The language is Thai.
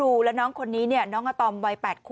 ทั้งญาติโดยเฉพาะคุณแม่เนี่ยดีหกดีใจเป็นภาพแบบนี้ค่ะ